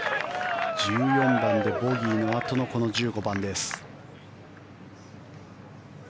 １４番でボギーのあとのこの１５番です。